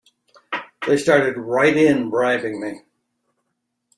They started right in bribing me!